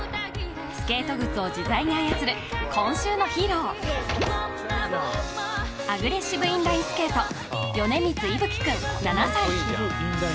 スケート靴を自在に操る今週のヒーローアグレッシブインラインスケート米満惟吹君、７歳。